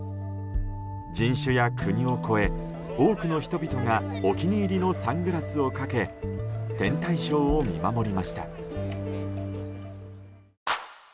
人種や国を越え、多くの人々がお気に入りのサングラスをかけ天体ショーを見守りました。